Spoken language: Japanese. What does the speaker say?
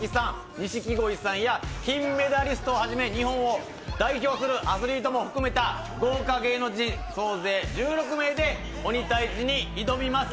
にしきごいさんや金メダリスト初め日本を代表するアスリートを含めた豪華芸能人総勢１６名で鬼タイジに挑みます。